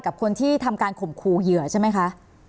กับคนที่ทำการข่มขู่เหยื่อใช่ไหมคะ